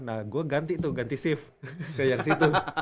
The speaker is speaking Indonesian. nah gue ganti tuh ganti shift ke yang situ